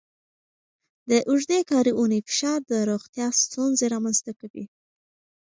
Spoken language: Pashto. د اوږدې کاري اونۍ فشار د روغتیا ستونزې رامنځته کوي.